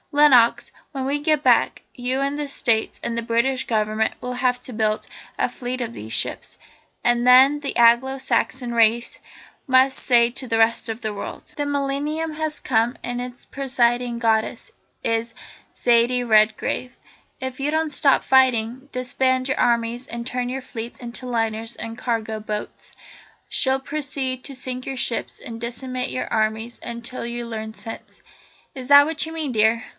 Lenox, when we get back, you and the States and the British Government will have to build a fleet of these ships, and then the Anglo Saxon race must say to the rest of the world " "The millennium has come and its presiding goddess is Zaidie Redgrave. If you don't stop fighting, disband your armies and turn your fleets into liners and cargo boats, she'll proceed to sink your ships and decimate your armies until you learn sense. Is that what you mean, dear?"